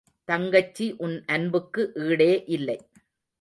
தங்கச்சி உன் அன்புக்கு ஈடே இல்லை.